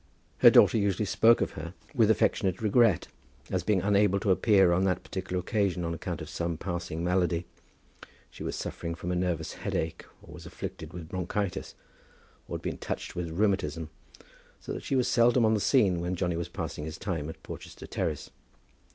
Her daughter usually spoke of her with affectionate regret as being unable to appear on that particular occasion on account of some passing malady. She was suffering from a nervous headache, or was afflicted with bronchitis, or had been touched with rheumatism, so that she was seldom on the scene when Johnny was passing his time at Porchester Terrace.